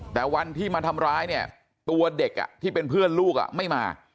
แต่วันที่มาทำร้ายเนี่ยตัวเด็กที่เป็นเพื่อนลูกไม่มา